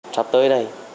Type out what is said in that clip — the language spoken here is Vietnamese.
trắp tới đây